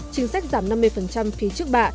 chính sách giảm năm mươi phía trước bạ